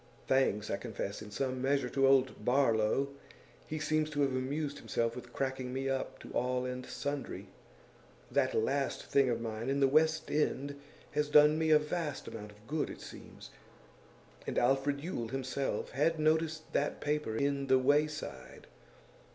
Thanks, I confess, in some measure, to old Barlow; he seems to have amused himself with cracking me up to all and sundry. That last thing of mine in The West End has done me a vast amount of good, it seems. And Alfred Yule himself had noticed that paper in The Wayside.